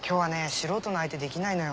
素人の相手できないのよ。